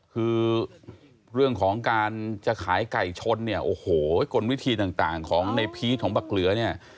คือเรื่องของการจะขายไก่ชนเนี่ยโอ้โหกลวิธีต่างของในพีชของบักเหลือเนี่ย